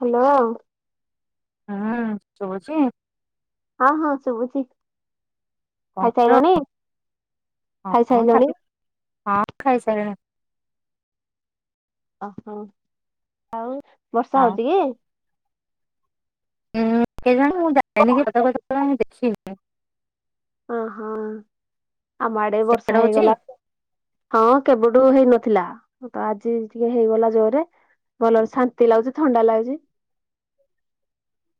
Hello. ହୁଁ ଶୁବୁଛୁ। ହଁ ହଁ ସୁଭୁଛି। ଖାଇସାଇଲଣି ହଁ ଖାଇସାରିଲିଣି। ଓହୋ ଆଉ ବର୍ଷା ଆଉ ହଉଛି କି? ଉଁ କେଜାଣି ମୁଁ ଯାଇନିକି ପଦାକୁ ଏଯାଏ ଦେଖିନି? ଓହୋ ଆମ ଆଡେ ସିଆଡେ ବର୍ଷା ହଉଛି ହେଇଗଲା। ହଁ କେବେଠୁ ହେଇନଥିଲା ତ ଆଜି ଟିକେ ହେଇଗଲା ଜୋରେ। ଭଲ ଶାନ୍ତି ଲାଗୁଛି ଥଣ୍ଡା ଲାଗୁଛି।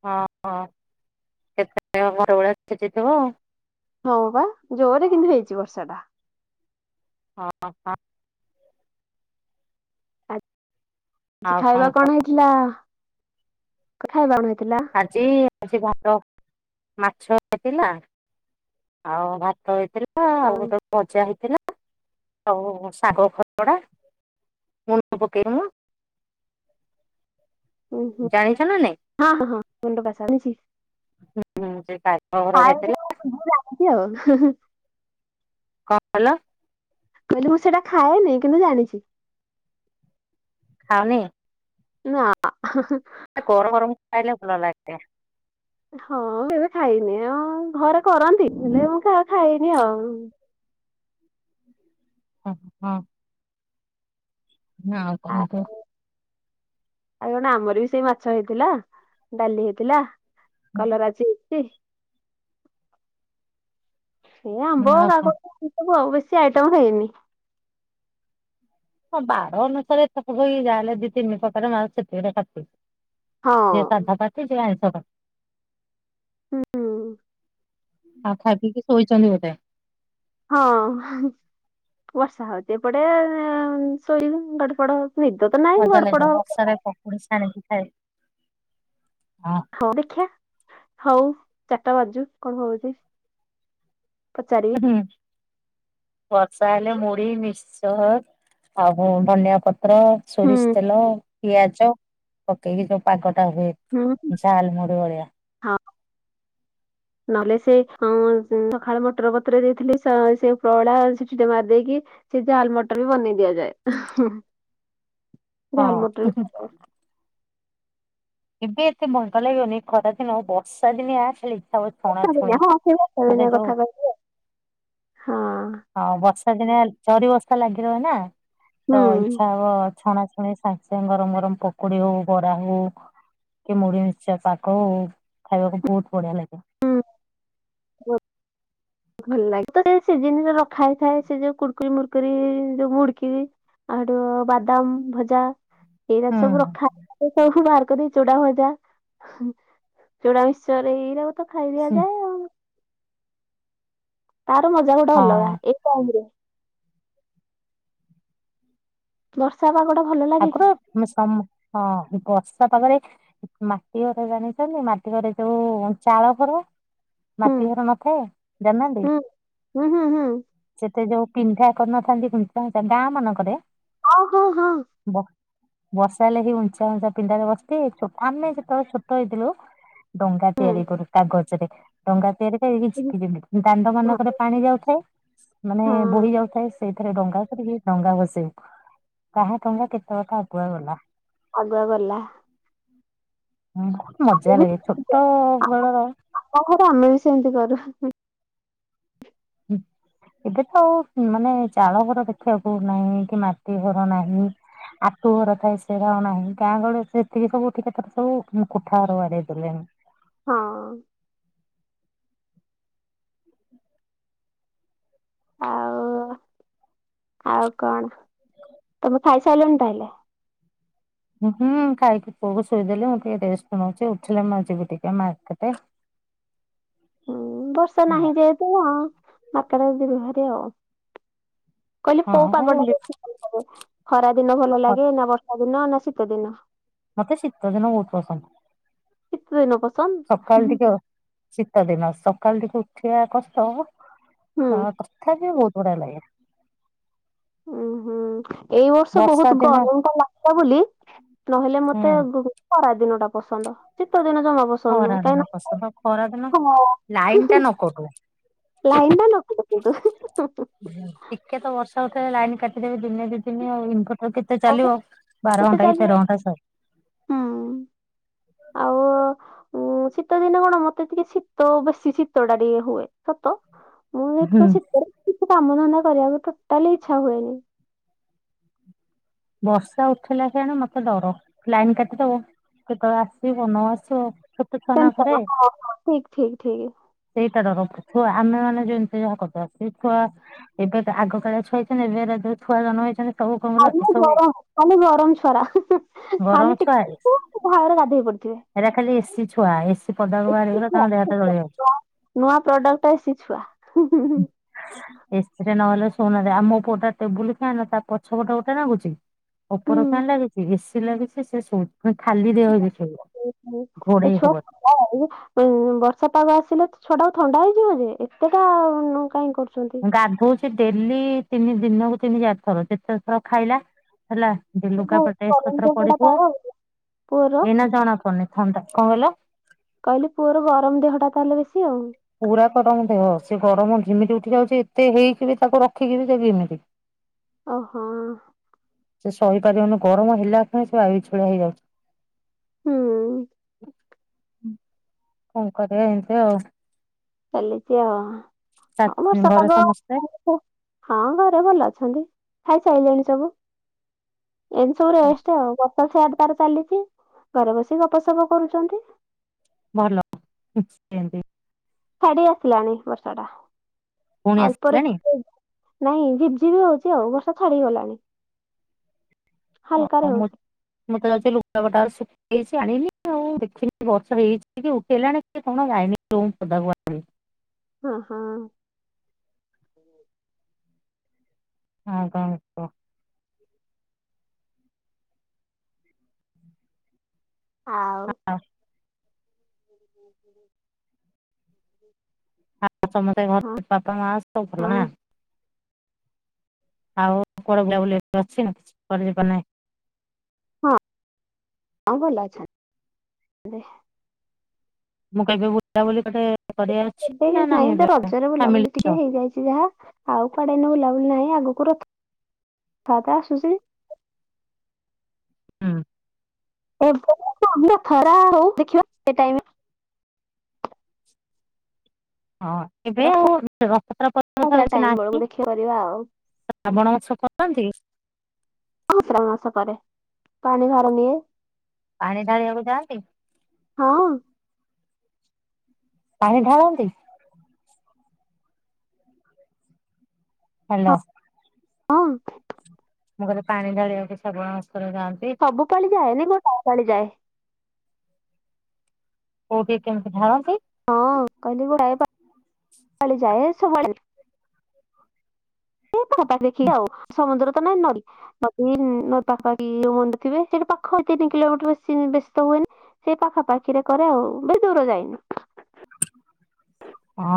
ହଁ ହଁ କେତେ ଘର ଭଳିଆ ଛେଚିଥିବ। ହଁ ବା ଜୋରରେ କିନ୍ତୁ ହେଇଛି ବର୍ଷା ଟା। ହଁ ହଁ। ଆଜି ଆଉ ଖାଇବା କହ କଣ ହେଇଥିଲା ଖାଇବା କଣ ହେଇଥିଲା। ଆଜି ଆଜି ବାର ମାଛ ହେଇଥିଲା। ଆଉ ଭାତ ହେଇଥିଲା ଆଉ ଗୋଟେ ଉଁ ଭଜା ହେଇଥିଲା। ଆଉ ଶାଗ ଖଅଡା ମୁଣ୍ଡ ପକେଇବା। ହୁଁ ହୁଁ ଜାଣିଛ ନା ନାଇଁ ହଁ ହଁ ମୁଣ୍ଡ ବାସା ଆଣିଛି। ହୁଁ ହୁଁ ସେ ତାଙ୍କ ଘରଡା ଖାଏ ହେଇଥିଲା। ମୁଁ ଜାଣିଛି ଆଉ। କଣ କହିଲ? କହିଲି ମୁଁ ସେଟା ଖାଏନି କିନ୍ତୁ ଜାଣିଛି। ଖାଅନି? ନା। ଗରମ ଗରମ ଖାଇଲେ ଭଲ ଲାଗେ। ହଁ କେବେ ଖାଇନି ଆଉ ଘରେ କରନ୍ତି ହେଲେ ମୁଁ କେବେ ଖାଇନି ଆଉ। ଓହୋ। ନା ଆଉ ଆ କଣ କୁହ? ଆଉ କଣ ଆମର ବି ସେଇ ମାଛ ହେଇଥିଲା ଡାଲି ହେଇଥିଲା। କଲରା ଚିପ୍ସ ସେଇ ଆମ୍ବ ଓହୋ କାକୁଡ଼ି ସବୁ ଆଉ ବେଶୀ ଆଇଟମ ହେଇନି। ହଁ ବାର ଅନୁସାରେ ଏତେ ପ୍ରକାର କି ଯାହାହେଲେ ଦି ତିନି ପ୍ରକାର ବାସ ସେତିକଟା କାଫି। ହଁ ଯିଏ ସାଧା ପାଟି ସିଏ ଆଇଷ ପାଟି। ହୁଁ ହୁଁ। ଆଉ ଖାଇ ପିଇକି ଶୋଇଛନ୍ତି ବୋଧେ? ହଁ ବର୍ଷା ହଉଛି ଏପଟେ ଶୋଇକି ଗଡ ପଡ ହଉଚି। ନିଦ ତ ନାହିଁ ମଜା ଲାଗିବ ଗଡପଡ ହଉ [inaudible] ହଁ। ହଉ ଦେଖିବା ହଉ ଚାରିଟା ବାଜୁ କଣ ହଉଛି ପଚାର ହଁ ବର୍ଷା ହେଲେ ମୁଢ ମିସ୍କଚର୍ ଆଉ ଧନିଆ ପତ୍ର ପତ୍ର ହୁଁ ସୋରିଷ ତେଲ ପିଆଜ ପକେଇକି ଯୋଉ ପାଗଟା ହୁଏ। ହୁଁ ଝାଲେ ମୁଡିିଭଳିଆ। ହଁ। ହଁ ନହେଲେ ସେ ସକାଳେ ମଟର ପତୁରେ ଦେଇଥିଲି ସେ ପଳା ସେଟି ଟେ ମାରି ଦେଇେଇକି ସେ ଝାଲ ମଟର ବି ବନେଇ ଦିଆଯାଏ। ଝାଲ ହଁ। ମଟର ଏବେ ଏତେ ବାଙ୍କା ଲାଗିବନି ଖରା ଦିନ ବର୍ଷା ଦିନିଆ ଖାଲି ଇଚଛା ହଉଛି ହଁ ସେ ଭଳିଆ କଥା ସେଇ ହିଁ ଭଳିଆ କଥା କହିଛି ହଁ। ହଁ ବର୍ଷା ଦିନିଆ ଝରି ବସ୍ତା ଲାଗି ରହେ ନା ହୁଁ ତ ଇଚଛା ହବ ଛଣା ମୁଁ ଏ ସାଙ୍ଗେ ସାଙ୍ଗେ ଗରମ ଗରମ ପକୁଡି ହଉ ବରା ହଉ ଖ କି ମୁଢି ମିଶ୍ଚା ପାଗ ହଉ ଖାଇବାକୁ ବହୁତ ବଢିଆ ଲାଗେ। ହ ଭଲ ଲାଗେ ତ ସେ ଜିନିଷରୁ ରଖା ହେଇଥାଏ ସେ ଯୋଉ କୁରକୁରି ମୁର୍କୁରି ଯୋଉ ମୁଡିକି ଆଉ ହେଟୁ ବାଦାମ ଭଜା ଏଇରା ସବୁ ରଖା [unintelligible] ବାହାର କରି ଚୁଡା ଭଜା ହୁଁ ଚୁଡା ମିଶଚର୍ ରେ ଏଇରାକୁ ତ ଖାଇ ହୁଁ ଦିଆଯାଏ ଆଉ। ତାର ମଜା ଗୋଟେ ହଁ ଅଲଗା ଏ ଟାଇମରେ। ବର୍ଷା ପାଗଟା ଭଲ ଲାଗେ କି? ଆମେ ସମ ହଁ ଏ ବର୍ଷା ପାଗରେ ମାଟି ଘରେ ଜାଣିଛନ୍ତି ମାଟି ଘରେ ଯୋଉ ଚାଳ ଘର ହୁଁ ମାଟି ଘର ନଥାଏ ଜାଣିନାହାନ୍ତି। ହୁଁ ହୁଁ ହୁଁ ହୁଁ ସେତେ ଯୋଉ ପିଣ୍ଡା କରିନଥାନ୍ତି [unintelligible] ଗାଁ ମାନଙ୍କରେ ଆଉ ଙ୍ଘ ଙ୍ଘ ବ ବର୍ଷା ହେଲେ ହି ଉଞ୍ଚା ଉଞ୍ଚା ପିଣ୍ଡାରେ ବସିଥିବେ ଚୋ ଆମେ ଯେତେବେଳେ ଛୋଟ ହେଇଥିଲୁ ଡଙ୍ଗା ତିଆରି କରୁ କାଗଜ ରେ ଡଙ୍ଗା ତିଆରି ପାଇଁ ହୁଁ [unintelligible] ଦାଣ୍ଡ ମାନଙ୍କରେ ପାଣି ଯାଉଥାଏ ମାନେ ହଁ ବୋହି ଯାଉଥାଏ ସେଇଥିରେ ଡଙ୍ଗା କରିକି ଡଙ୍ଗା ଭସେଇବୁ। ତଙ୍ଗା କେତେବେଳେ [unintelligible] ଆଗୁଆ ଗଲା। ହଁ ବହୁତ ମୁଁ ମଜା ବି ସେମିତି ଲାଗେ କରେ। ଛୋଟ ବେଳର ଆମ ଘରେ ଆମେ ବି ସେମିତି କରୁ। ହୁଁ। ଏବେ ତ ଆଉ ମାନେ ଚାଳ ଘର ଦେଖିବାକୁ ନାହିଁ କି ମାଟି ଘର ନାହିଁ। ଆଟୁ ଘର ଥାଏ ସେରା ଆଉ ନାହିଁ ଗାଁ ଗହଳି ସେତିକି ସବୁ [unintelligible] ସବୁ କୋଠା ଘର ବାଡେଇ ଦେଲେ। ହଁ। ଆଉ ଆଉ କଣ ତମେ ଖାଇସାଇଳନି ତାହେଲେ? ହୁଁ ଖାଇକି ପୁଅକୁ ଶୋଇଦେଲି ମୁଁ ଟିକେ ରେଷ୍ଟ ନଉଛି ଉଠିଲେ ମୁଁ ଯିବି ଟିକେ ମାର୍କେଟ। ହୁଁ ବର୍ଷା ନାହିଁ ଯେହେତୁ ଆଁ [unintelligible] ରୁହରେ। କହିଲି କୋଉ ହଁ ପାଗଟା ବୁଲି ବେଶି ଭଲ ଲାଗେ ଖରା ଦିନ ଭଲ ଲାଗେ ନା ବର୍ଷା ଦି ନ ନା ଶୀତ ଦିନ। ମତେ ଶିତ ଦିନ ବହୁତ୍ ପସନ୍ଦ। [unintelligible] ହୁଁ ସକାଳ ଟିକେ ଶୀତ ଦିନ ସକାଳେ ଟିକେ ଉଠିବା କଷ୍ଟ। ହଁ ହୁଁ ତଥା ବି ବହୁତ ବଢ଼ିଆ ଲାଗେ। ଉୁଁ ହୁଁ ଏଇ ବର୍ଷ ବର୍ଷା ବହୁତ ଦିନ ଗରମ ଟା ଲାଗିଲା ବୋଲି ନହେଲେ ହୁଁ ମତେ ଖରା ଦିନ ଟା ପସନ୍ଦ ଶିତ ଦିନ ଜମା ପସନ୍ଦ ଖରା ନୁହେଁ କାହିଁକି ଦିନ ପସନ୍ଦ ଖରା ଦିନ ହଁ ଲାଇନ ଟା ନକଟୁ। ଲାଇନ୍ ଟା ନକଟୁ କିନ୍ତୁ। ଟିକେ ତ ବର୍ଷାଉଠେଇଲେ ଲାଇନ୍ କାଟିଦେବେ ଦିନେ ଦି ଦିନି ଆଉ ଇନ୍ଭର୍ଟର କେ ତେ ଆଉ ଚାଲିବ ବାର ଗୋଟେ ଘଣ୍ଟା କି ଚାଲିବ ତେର ଘଣ୍ଟା ସ ଉ ଶୀତ ଦିନେ କଣ ମତେ ଟିକେ ଶୀତ ବେଶୀ ଶୀତ ଟା ଟିକେ ହୁଏ ସତ। ମୁଁ ହୁଁ ଯେତେବେଳେ ଶିତରେ କିଛି କାମ ଧନ୍ଦା କରିବାକୁ ଟୋଟାଲି ଇଚ୍ଛା ହୁଏନି। ବର୍ଷା ଉଠେଇଲା କ୍ଷଣି ମତେ ଡର ଲାଇନ୍ କାଟିଦବ। କେତେବେଳେ ଆସିବ ନଆସିବ। [unintelligible] ହଁଁ ହଁ ଠିକ ଠିକ ଠିକ। ସେଇଟାଡର ଛୁଆ ଆମେ ମାନେ ଯେମିତି ଯାହା କରିଦବା ସେ ଛୁଆ ଏବେକା ଆଗ କାଳିଆ ଛୁଆ ହେଇଥିନେ ଏବେ ଏରା ଯୋଉ ଛୁଆ ଜନମହେଇଛନ୍ତି ସବୁ କ ଖାଲି ଗରମ ଖାଲି ଗରମ ଛୁଆରା ଗରମ ଖାଲି ଟିକେ ଝାଳରେ ଗାଧୋଇ ପଡିଥିବେ। ଏଇରା ଖାଲି ଏସି ଛୁଆ ଏସି ପଦାକୁ ବାହାରିଗଲେ ତାଙ୍କ ଦେହ ହାତ ଜଳିଯାଉଛି। ନୂଆ ପ୍ରୋଡ କ୍ଟ ଏସି ଛୁଆ। ଏସିରେ ନହେଲେ ଶୋଉନାହାନ୍ତି ଆମ ପୁଅଟା ଟେବୁଲ ଫ୍ୟାନ୍ ତା ପଛ ପଟେ ଗୋଟେ ଲାଗୁଛି। ଉପର ହୁଁ। ଫ୍ୟାନ ଲାଗିଛି ଏଶୀ ଲାଗିଛି ସେ ଖାଲି ଦେହରେ ସେ ଶୋଇବ। [unintelligible] ଘୋଡେଇ ହବନି। ବର୍ଷା ପାଗ ଆସିଲେ ଛୁଆଟାକୁ ଥଣ୍ଡା ହେଇଯିବନି ଏତେଟା କାଇ କରୁଛନ୍ତି। ଗାଧଉଛି ଡେଲି ତିନି ଦିନକୁ ତିନି ଚାରି ଥର ଯେତେ ଥର ଖାଇଲା। ହେଲା ଯେ ଲୁଗା ପୁଅକୁ ପଟ ଡ୍ରେସ୍ ଗରମ ପତ୍ର ଦେହଟା ପଡ଼ିଥିବ ତାର ଆଉ ପୁଅର ଏଇନା ଜଣା ପଡନି। ଥଣ୍ଡା କଣ କହିଲ? କହିଲି ପୁଅର ଗରମ ଦେହଟା ତାହେଲେ ବେଶୀ ଆଉ। ପୁରା ଗରମ ଦେହ ସିଏ ଗରମ ଘିମିରି ଉଠି ଯାଉଛି ଏତେ ହେଇକିବି ତାକୁ ରଖିକୀରି ସେଇ ଘିମିରି। [inaudible] ଓହୋ। ସେ ସହିପାରିବନି ଗରମ ହେଲା କ୍ଷଣି ସେ ବାୟୁ ବିଛୁଳା ହେଇଯାଉଛି। ହୁଁ [unintelligible] ଚାଲିଛି ଆଉ ତା ହଁ ବର୍ଷା ଘରେ ପାଗ ସମସ୍ତେ ହଁ ଘରେ ଭଲ ଅଛନ୍ତି ଖାଇସାରିଲେଣି ସବୁ। ଏଇନେ ସବୁ ରେଷ୍ଟ ଆଉ ଗ ସେଆଡ ତାର ଚାଲିଛି ଘରେ ବସିକ ଗପସପ କରୁଛନ୍ତି। ଭଲ ସେମତି। ଛାଡି ଆସିଲାଣି ବର୍ଷା ଟା ପୁଣି ଅଳ୍ପରେ ଆସିଲାଣି। ନାଇଁ ଝିପ୍ ଝିପ୍ ହଉଛି ଆଉ ବର୍ଷା ଛାଡିଗଲାଣି ହାଲକା ରେ ହଉଛି। ମତେ ଲାଗୁଛି ଲୁଗାପଟାରା ସୁ ଇଛି ଆଣିନି ଆଉ ଦେଖିନି ବର୍ଷ ହେଇଛି କି ଉଠେଇଲାଣି କଣ ଯାଇନି ରୁମ୍ ରୁ [unintelligible] ହଁ ହଁ। ହ କଣ କହ? ଆଉ ହଁ। [inaudible] ଆଉ ସମସ୍ତେ ହଁ ଘରେ ବାପା ମା ସବୁ ଭଲ ନା। ହଁ ଆଉ କୁଆଡ଼େ ବୁଲାବୁଲି ଅଛି ନା କିଛି କରିିବ ନାହିଁ। ହଁ ଭଲ ଅଛି ମୁଁ କହିବି ବୁଟା ବୋଲେ ତୋତେ କରିବା। ଏବେ କିଛି ନାହିଁ ତ ରଜରେ ବୁଲାବୁଲି ଟିକେ ହେଇଯାଇଛି ଯାହା। ଆଉ କୁଆଡେ ଏଇନେ ବୁଲା ବୁଲି ନାହିଁ ଆଗକୁ ରଥ ଥାତ୍ରା ଆସୁଛି ହୁଁ। ଏ ବ [unintelligible] ରଥ ଯାତ୍ରା ହଉ ଦେଖିବା ସେ ଟାଇମ୍ ରେ ହଁ ଏବେ ଆଉ ରଥାଯାତ୍ରା ପରେ ତ ଆଉ ରଥଯାତ୍ରା କିଛି ଟାଇମ୍ ନାହିଁ। ବେଳକୁ ଦେଖିବା କରିବା ଆଉ ଶ୍ରାବଣ ମାସ କରନ୍ତି? ଶ୍ରାବଣ ମାସ କରେ, ପାଣି ଭାର ନିଏ। ପାଣି ଢାଳିିବାକୁ ଯାଆନ୍ତି। ହଁ ପାଣି ଢାଳନ୍ତି। ହାଲୋ। ହଁ। ମୁଁ କହିଲି ପାଣି ଢାଳିବାକୁ ଶ୍ରାବଣ ମାସରେ ଯାଆନ୍ତି? ସବୁ ପାଳି ଯାଏନି ଗୋଟାଏ ପାଳି ଯାଏ। କଉଠି କେମିତି ଢାଳନ୍ତି? ହଁ କହିଲି ଗୁଡାଏ [unintelligible] ମୁଁ ତ ଦେଖିକି ଆଉ ସମୁଦ୍ର ତ ନାହିଁ ନଇ। ଉଁ ପାପାକି ସେଇଠି ପାଖ ତିନି କିଲୋମିଟର ବେଶୀତ ହୁଏନି। ସେଇ ପାଖା ପାାଖିରେ କରେ ଆଉ ବେସି ଦୂର ଯାଇନି।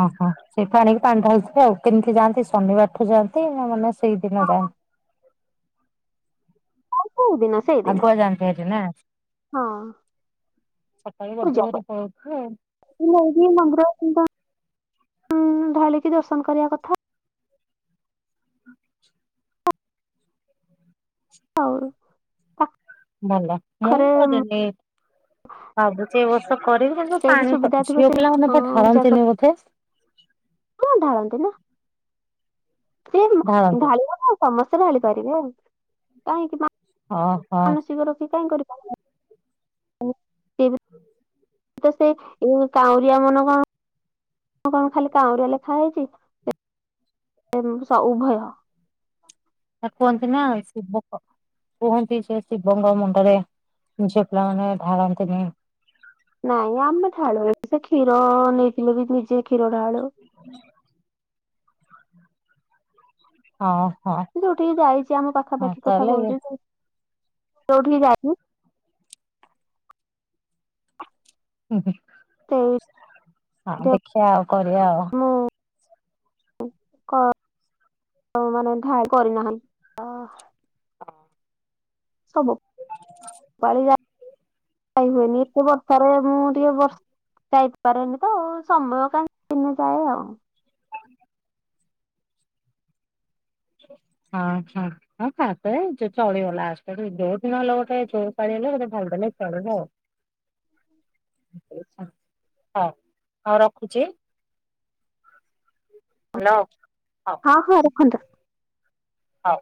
ଓହୋ ସେଇଠି ଆଣିକି ପାଣି ଢାଳିଥିବେ ଆଉ କେମିତି ଯାଆନ୍ତି ଶନିବାରଠୁ ଯାଆନ୍ତି ମାନେ ସେଇଦିନଟା କୋଉ ଦିନ ସେଇଦିନ ଆଗୁଆ ଯାଣିପାରୁଚୁ ନାଁ। ହଁ ସକାଳୁ ବଡି ପୂଜା ଭୋରୁ ପଳଉଛୁ ଆଉ। ନେଇକି ମନ୍ଦିର [inaudible] ଢାଳିକି ଦର୍ଶନ କରିବା କଥା। [inaudible] ହଉ ଆ ଭଲ, ମୁ କରେନି ଆଉ ଯିଏ କରିବି କିନ୍ତୁ ସେଇଠି ପାଣି, ସୁବିଧା ଥିବ ଝିଅ ସେଇ ପିଲା ଅଁ, ମାନେ ଢାଳନ୍ତିନି ବୋଧେ। କଣ ଢାଳନ୍ତି ନା ସେ ଢାଳନ୍ତି ଢାଳିବନା। ସମସ୍ତେ ଢାଳି ପାରିବେ କାହିଁକି ନା ଓହୋ ସିଙ୍ଗ ରାଶି କାଇଁ କରିପାରିବନି? ତ ସେ କାଉଁରିଆ ମାନଙ୍କୁ କଁ ସେଠି କଣ ଖାଲି କାଉଁରିଆ ଲେଖା ହେଇଛି ସବୁ ଉଭୟ। କୁହନ୍ତି ନାଁ ସିବ କୁହନ୍ତି ସେ ଶିବଙ୍କ ମୁଣ୍ଡରେ ଝିଅ ପିଲାମାନେ ଢାଳ ନ୍ତିନି। ନାଇଁ ଆମେ ଢାଳୁ ଏଠି ତ କ୍ଷୀର ନେଇଥିଲୁ ବି ନିଜେ କ୍ଷୀର ଢାଳୁ। [unintelligible] ହଁ ହଁ ଯୋଉଠିକି ଯାଇଚି ଆମ ହଁ ପାଖାପାଖି କଥା ତାହେଲେ କହୁଚି ଯୋଉଠିକି ଯାଇଚି [unintelligible] ସେଇ ହଁ ଦେ ଦେଖିବା ଆଉ କରିବା ଆଉ ମୁଁ କ ମାନେ ଥାଏ କରିନାହାନ୍ତି ଅ [unintelligible] ଏତେ ବର୍ଷାରେ ମୁଁ ଟିକେ ବର୍ଷ ଯାଇପାରେନି ତ ସମୟ କାଇଁ ଦିନେ ଯାଏ ଆଉ। [unintelligible] ଆଚ୍ଛା। ହଁ ଫାଷ୍ଟେ ଯୋ ଚଳିବ ଲାଷ୍ଟେ ରେ ଯୋଉଦିନ ହେଲେ ଗୋଟେ ଯୋଉ ପାଳିହେଲେ ଗୋଟେ [unintelligible] ହଉ ହଉ ରଖୁଚି। ହାଲୋ। ହଁ ହଁ ରଖନ୍ତୁ। ହଉ।